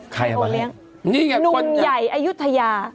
ใครเอามาให้กินโอเลียงนุ่มใหญ่อายุทยา